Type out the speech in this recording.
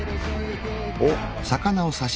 おっ！